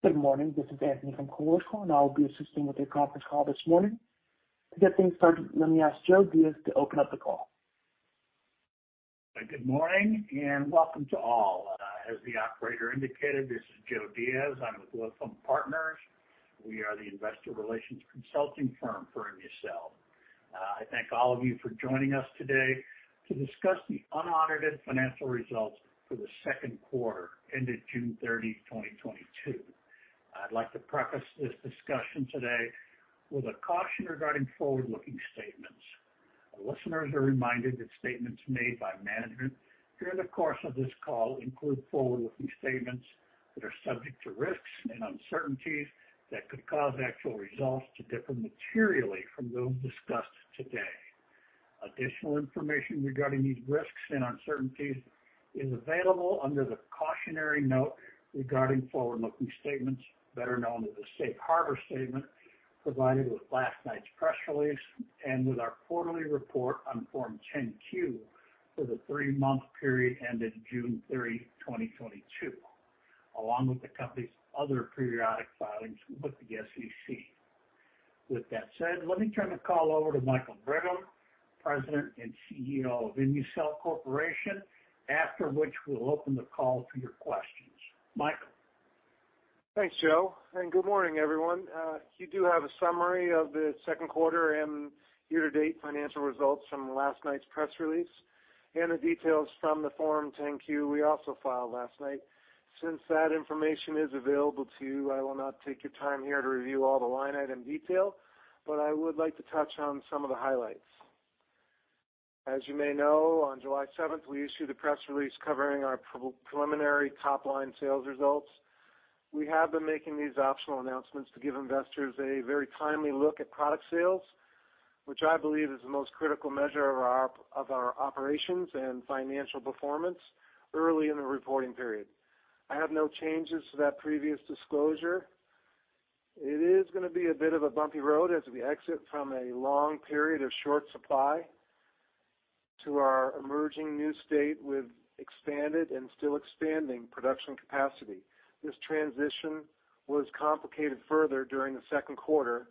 Good morning. This is Anthony from Chorus Call, and I will be assisting with your conference call this morning. To get things started, let me ask Joe Diaz to open up the call. Good morning, and welcome to all. As the operator indicated, this is Joe Diaz. I'm with Lytham Partners. We are the investor relations consulting firm for ImmuCell. I thank all of you for joining us today to discuss the unaudited financial results for Q2 ended June 30th, 2022. I'd like to preface this discussion today with a caution regarding forward-looking statements. Our listeners are reminded that statements made by management during the course of this call include forward-looking statements that are subject to risks and uncertainties that could cause actual results to differ materially from those discussed today. Additional information regarding these risks and uncertainties is available under the cautionary note regarding forward-looking statements, better known as the Safe Harbor statement, provided with last night's press release and with our quarterly report on Form 10-Q for the three-month period ended June 30th, 2022, along with the company's other periodic filings with the SEC. With that said, let me turn the call over to Michael Brigham, President and CEO of ImmuCell Corporation, after which we'll open the call to your questions. Michael? Thanks, Joe, and good morning, everyone. You do have a summary of Q2 and year-to-date financial results from last night's press release and the details from the Form 10-Q we also filed last night. Since that information is available to you, I will not take your time here to review all the line item detail, but I would like to touch on some of the highlights. As you may know, on July 7th, we issued a press release covering our preliminary top-line sales results. We have been making these optional announcements to give investors a very timely look at product sales, which I believe is the most critical measure of our operations and financial performance early in the reporting period. I have no changes to that previous disclosure. It is going to be a bit of a bumpy road as we exit from a long period of short supply to our emerging new state with expanded and still expanding production capacity. This transition was complicated further during Q2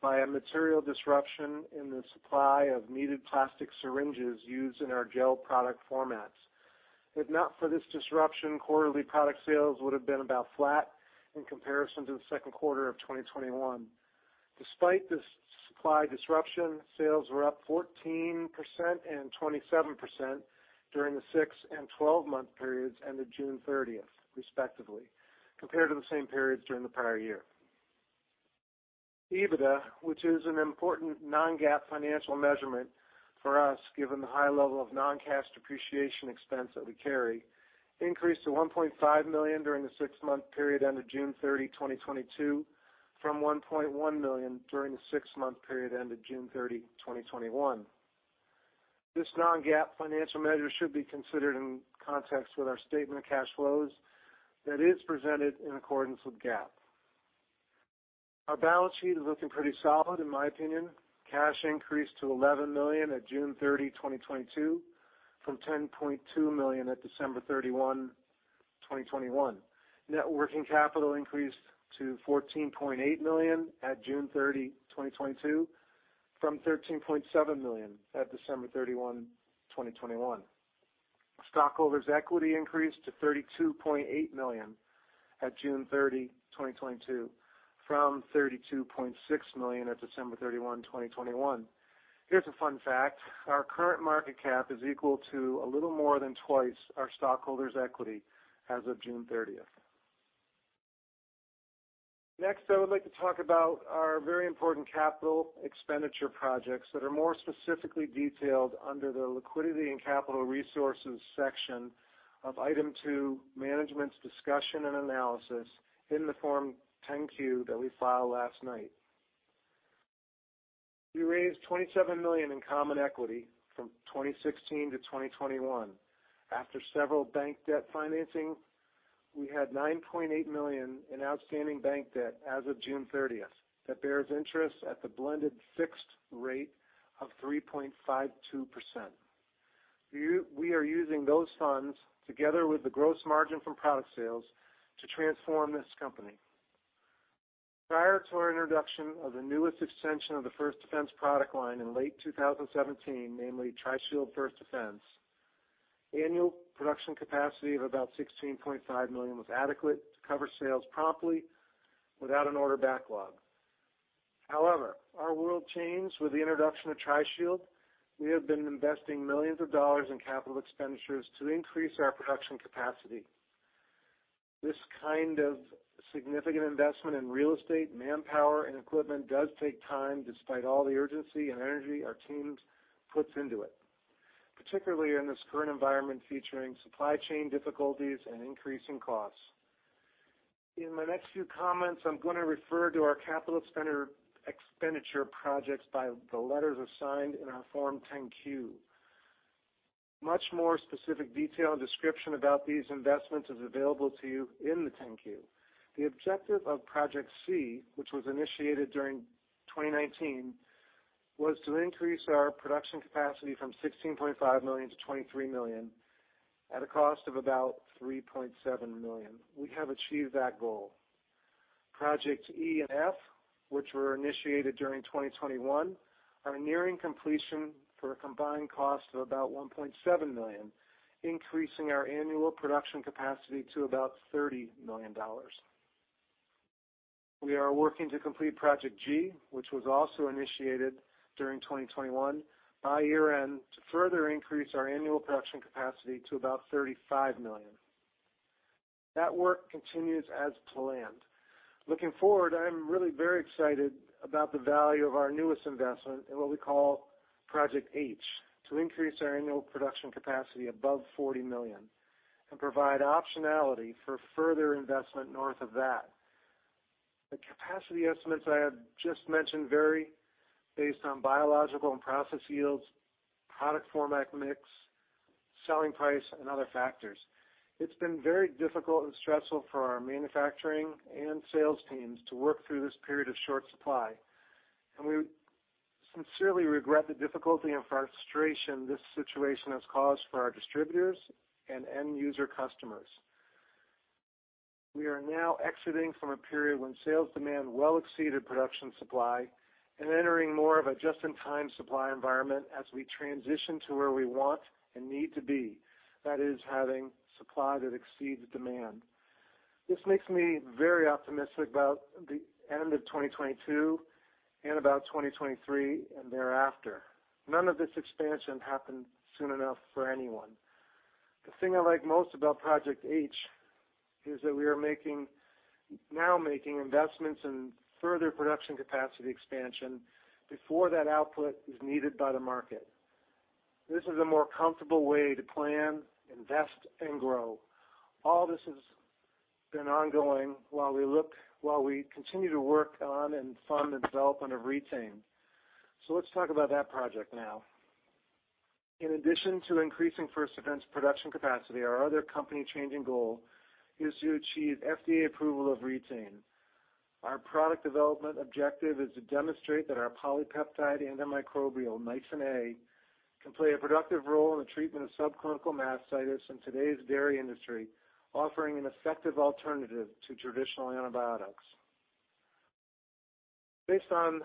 by a material disruption in the supply of needed plastic syringes used in our gel product formats. If not for this disruption, quarterly product sales would have been about flat in comparison to Q2 of 2021. Despite this supply disruption, sales were up 14% and 27% during the six and 12-month periods ended June 30th, respectively, compared to the same periods during the prior year. EBITDA, which is an important non-GAAP financial measurement for us, given the high level of non-cash depreciation expense that we carry, increased to $1.5 million during the six-month period ended June 30th, 2022, from $1.1 million during the six-month period ended June 30th, 2021. This non-GAAP financial measure should be considered in context with our statement of cash flows that is presented in accordance with GAAP. Our balance sheet is looking pretty solid, in my opinion. Cash increased to $11 million at June 30th, 2022, from $10.2 million at December 31st, 2021. Net working capital increased to $14.8 million at June 30th, 2022, from $13.7 million at December 31st, 2021. Stockholders' equity increased to $32.8 million at June 30th, 2022, from $32.6 million at December 31st, 2021. Here's a fun fact: our current market cap is equal to a little more than twice our stockholders' equity as of June 30th. Next, I would like to talk about our very important capital expenditure projects that are more specifically detailed under the Liquidity and Capital Resources section of Item 2, Management's Discussion and Analysis in the Form 10-Q that we filed last night. We raised $27 million in common equity from 2016 to 2021. After several bank debt financings, we had $9.8 million in outstanding bank debt as of June 30th that bears interest at the blended fixed rate of 3.52%. We are using those funds, together with the gross margin from product sales, to transform this company. Prior to our introduction of the newest extension of the First Defense product line in late 2017, namely Tri-Shield First Defense, annual production capacity of about 16.5 million was adequate to cover sales promptly without an order backlog. However, our world changed with the introduction of Tri-Shield. We have been investing millions fo dollars in capital expenditures to increase our production capacity. This significant investment in real estate, manpower, and equipment does take time despite all the urgency and energy our teams puts into it, particularly in this current environment featuring supply chain difficulties and increasing costs. In my next few comments, I'm going to refer to our capital expenditure projects by the letters assigned in our Form 10-Q. Much more specific detail and description about these investments is available to you in the 10-Q. The objective of Project C, which was initiated during 2019, was to increase our production capacity from 16.5 million to 23 million at a cost of about $3.7 million. We have achieved that goal. Project E and F, which were initiated during 2021, are nearing completion for a combined cost of about $1.7 million, increasing our annual production capacity to about $30 million. We are working to complete Project G, which was also initiated during 2021 by year-end to further increase our annual production capacity to about 35 million. That work continues as planned. Looking forward, I am really very excited about the value of our newest investment in what we call Project H, to increase our annual production capacity above 40 million and provide optionality for further investment north of that. The capacity estimates I have just mentioned vary based on biological and process yields, product format mix, selling price, and other factors. It's been very difficult and stressful for our manufacturing and sales teams to work through this period of short supply, and we sincerely regret the difficulty and frustration this situation has caused for our distributors and end user customers. We are now exiting from a period when sales demand well exceeded production supply and entering more of a just-in-time supply environment as we transition to where we want and need to be. That is, having supply that exceeds demand. This makes me very optimistic about the end of 2022 and about 2023 and thereafter. None of this expansion happened soon enough for anyone. The thing I like most about Project H is that we are making investments in further production capacity expansion before that output is needed by the market. This is a more comfortable way to plan, invest and grow. All this has been ongoing while we continue to work on and fund the development of Re-Tain. Let's talk about that project now. In addition to increasing First Defense's production capacity, our other company-changing goal is to achieve FDA approval of Re-Tain. Our product development objective is to demonstrate that our polypeptide antimicrobial, Nisin A, can play a productive role in the treatment of subclinical mastitis in today's dairy industry, offering an effective alternative to traditional antibiotics. Because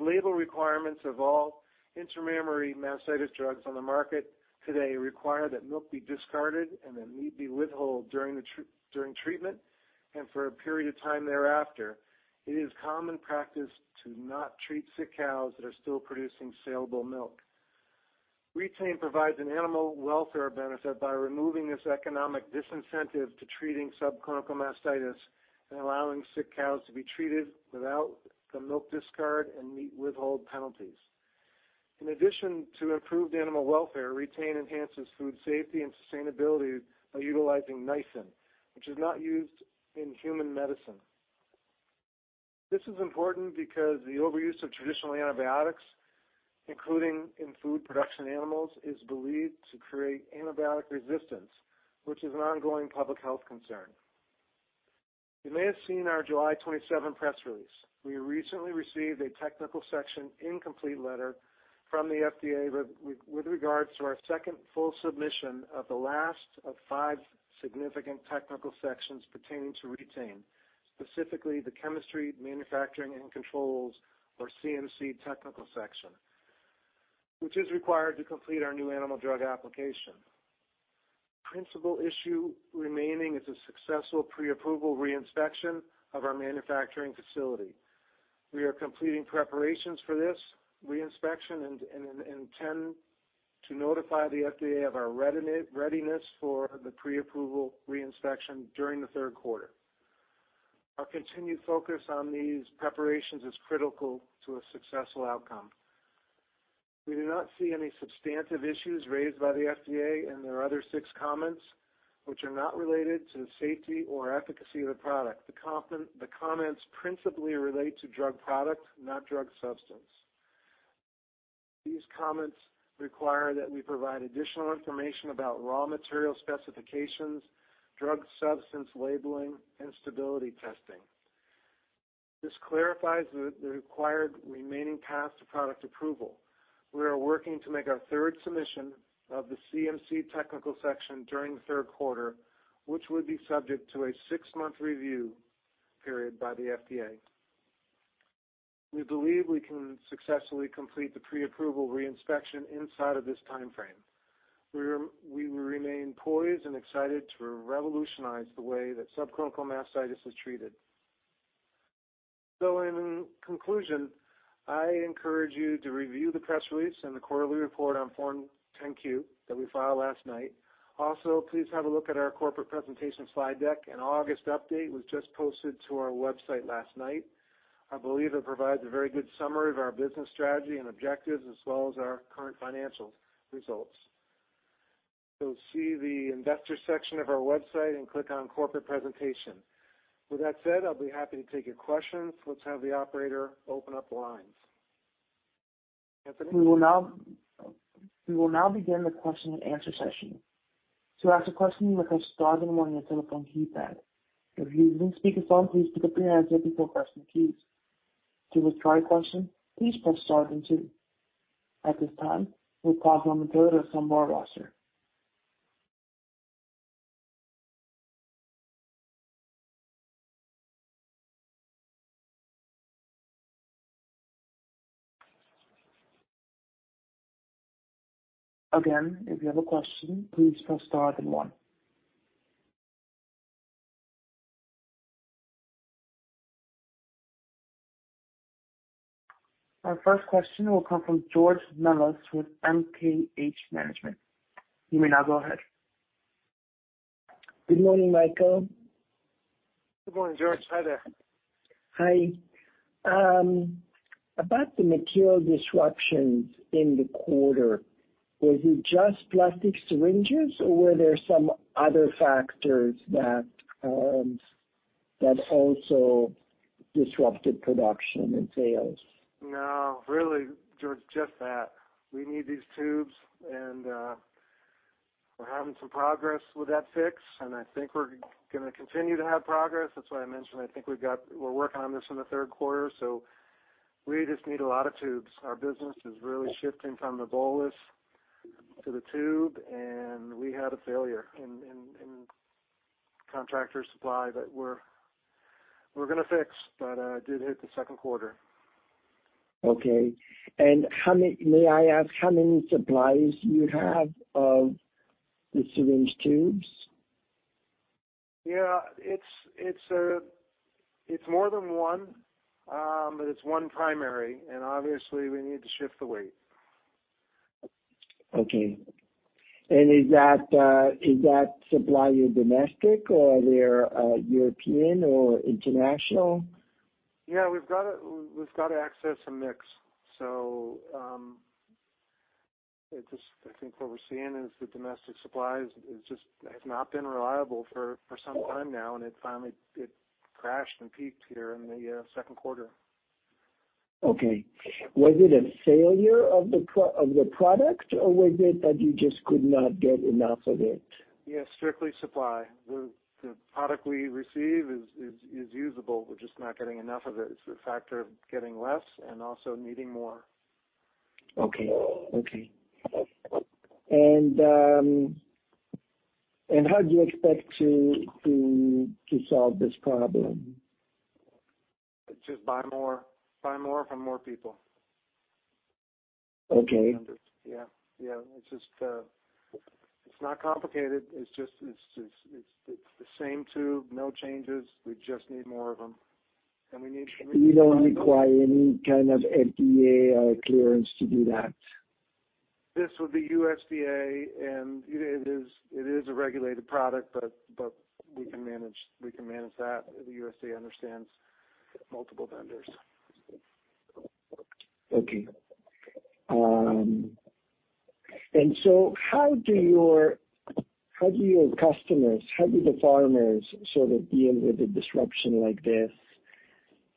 label requirements of all intramammary mastitis drugs on the market today require that milk be discarded and that meat be withheld during treatment and for a period of time thereafter, it is common practice to not treat sick cows that are still producing salable milk. Re-Tain provides an animal welfare benefit by removing this economic disincentive to treating subclinical mastitis and allowing sick cows to be treated without the milk discard and meat withhold penalties. In addition to improved animal welfare, Re-Tain enhances food safety and sustainability by utilizing Nisin, which is not used in human medicine. This is important because the overuse of traditional antibiotics, including in food production animals, is believed to create antibiotic resistance, which is an ongoing public health concern. You may have seen our July 27th press release. We recently received a technical section incomplete letter from the FDA with regards to our second full submission of the last of five significant technical sections pertaining to Re-Tain, specifically the chemistry, manufacturing and controls or CMC technical section, which is required to complete our New Animal Drug Application. Principal issue remaining is a successful pre-approval re-inspection of our manufacturing facility. We are completing preparations for this re-inspection and intend to notify the FDA of our readiness for the pre-approval re-inspection during Q3. Our continued focus on these preparations is critical to a successful outcome. We do not see any substantive issues raised by the FDA and there are other six comments which are not related to the safety or efficacy of the product. The comments principally relate to drug product, not drug substance. These comments require that we provide additional information about raw material specifications, drug substance labeling, and stability testing. This clarifies the required remaining path to product approval. We are working to make our third submission of the CMC technical section during Q3, which would be subject to a six-month review period by the FDA. We believe we can successfully complete the pre-approval re-inspection inside of this timeframe. We remain poised and excited to revolutionize the way that subclinical mastitis is treated. In conclusion, I encourage you to review the press release and the quarterly report on Form 10-Q that we filed last night. Also, please have a look at our corporate presentation slide deck. An August update was just posted to our website last night. I believe it provides a very good summary of our business strategy and objectives as well as our current financial results. See the investor section of our website and click on Corporate Presentation. With that said, I'll be happy to take your questions. Let's have the operator open up the lines. We will now begin the question and answer session. To ask a question, you may press star then one on your telephone keypad. If you are using speakerphone, please pick up your handset before pressing keys. To withdraw your question, please press star then two. At this time, we'll call on the first someone on our roster. Again, if you have a question, please press star then one. Our first question will come from George Melas with MKH Management. You may now go ahead. Good morning, Michael. Good morning, George. Hi there. Hi. About the material disruptions in the quarter, was it just plastic syringes, or were there some other factors that also disrupted production and sales? No, really, George, just that. We need these tubes and we're having some progress with that fix. I think we're going to continue to have progress. That's why I mentioned I think we're working on this in Q3. We just need a lot of tubes. Our business is really shifting from the bolus to the tube, and we had a failure in contractor supply that we're going to fix, but did hit Q2. Okay. May I ask how many suppliers you have of the syringe tubes? Yes. It's more than one. It's one primary, and obviously we need to shift the weight. Okay. Is that supply domestic or they're European or international? Yes, we've got access to mix. I think what we're seeing is the domestic supply is just has not been reliable for some time now, and it finally crashed and peaked here in Q2. Okay. Was it a failure of the product, or was it that you just could not get enough of it? Yes, strictly supply. The product we receive is usable. We're just not getting enough of it. It's a factor of getting less and also needing more. Okay. How do you expect to solve this problem? Just buy more from more people. Okay. Yes. It's just not complicated. It's just the same tube, no changes. We just need more of them. You don't require any FDA clearance to do that? This would be USDA, and it is a regulated product, but we can manage that. The USDA understands multiple vendors. Okay. How do your customers... How do the farmers deal with a disruption like this?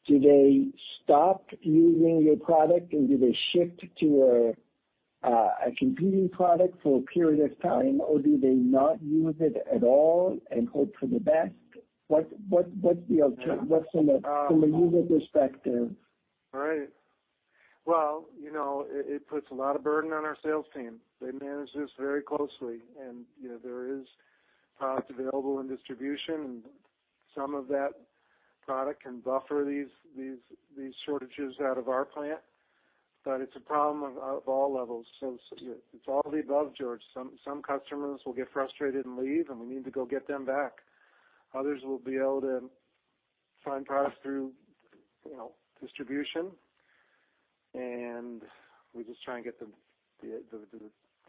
Do they stop using your product, and do they shift to a competing product for a period of time, or do they not use it at all and hope for the best? What's the alternative from a user perspective? Right. Well, it puts a lot of burden on our sales team. They manage this very closely and there is products available in distribution. Some of that product can buffer these shortages out of our plant. It's a problem of all levels. It's all the above, George. Some customers will get frustrated and leave, and we need to go get them back. Others will be able to find products through, distribution, and we just try and get them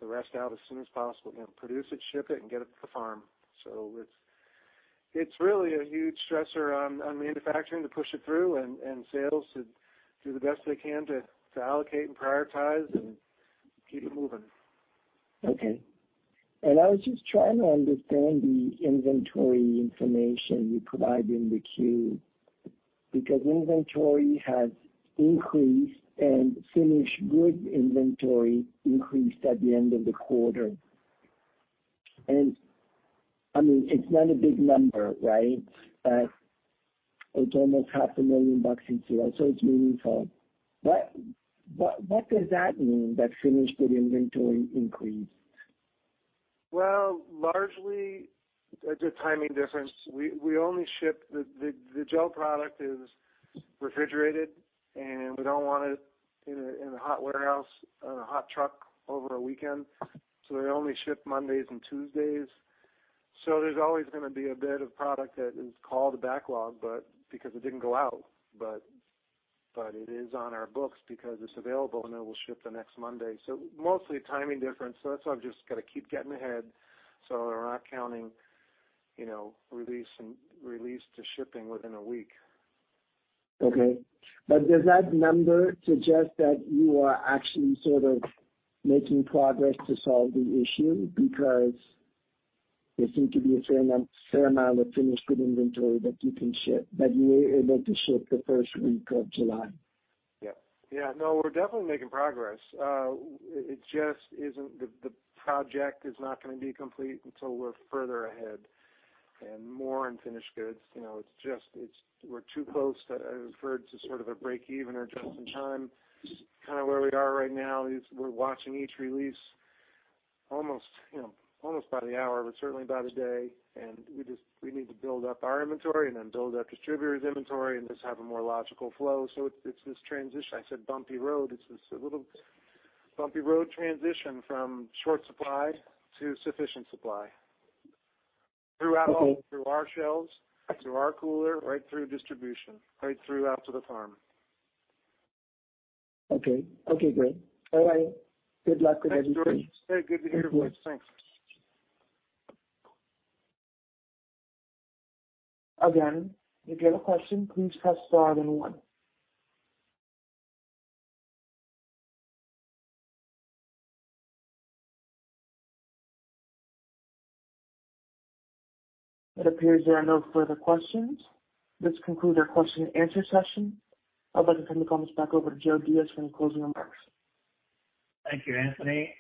the rest out as soon as possible. Produce it, ship it, and get it to the farm. It's really a huge stressor on manufacturing to push it through and sales to do the best they can to allocate and prioritize and keep it moving. Okay. I was just trying to understand the inventory information you provide in the Q, because inventory has increased and finished goods inventory increased at the end of the quarter. It's not a big number, right? It's almost half a million bucks into it, so it's meaningful. What does that mean that finished goods inventory increased? Well, largely it's a timing difference. We only ship the gel product is refrigerated, and we don't want it in a hot warehouse on a hot truck over a weekend. They only ship Mondays and Tuesdays. There's always going to be a bit of product that is called a backlog, but because it didn't go out. It is on our books because it's available, and it will ship the next Monday. Mostly a timing difference. That's why I've just gotta keep getting ahead, so we're not counting, release and release to shipping within a week. Okay. Does that number suggest that you are actually making progress to solve the issue? There seem to be a fair amount of finished goods inventory that you can ship, that you were able to ship the first week of July. Yes. We're definitely making progress. The project is not going to be complete until we're further ahead and more on finished goods. It's just we're too close to a break-even or just in time. Where we are right now is we're watching each release almost by the hour, but certainly by the day. We just need to build up our inventory and then build up distributors inventory and just have a more logical flow. It's this transition. I said bumpy road. It's a little bumpy road transition from short supply to sufficient supply. Okay. Through our shelves, through our cooler, right through distribution, right through out to the farm. Okay. Great. All right. Good luck with everything. Thanks, George. Very good to hear your voice. Thanks. Again, if you have a question, please press star then one. It appears there are no further questions. This concludes our question and answer session. I'd like to turn the comments back over to Joe Diaz for any closing remarks. Thank you, Anthony.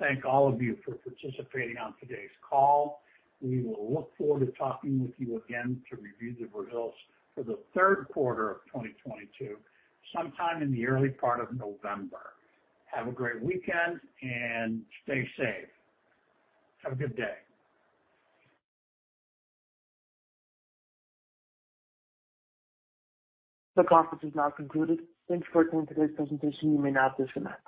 Thank all of you for participating on today's call. We will look forward to talking with you again to review the results for Q3 of 2022, sometime in the early part of November. Have a great weekend and stay safe. Have a good day. The conference is now concluded. Thanks for attending today's presentation. You may now disconnect.